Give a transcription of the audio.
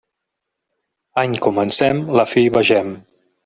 Any comencem, la fi vegem.